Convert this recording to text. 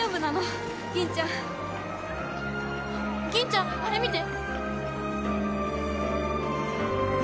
吟ちゃんあれ見て！